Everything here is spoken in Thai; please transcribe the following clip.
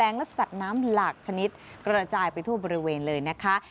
และสัตว์น้ำหลากชนิดกระจายไปทั่วบริเวณเลยนะคะ